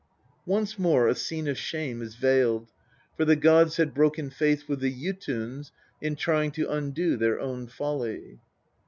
Once more a scene of shame is veiled, for the gods had broken faith with the Jo tuns in trying to undo their own lolly.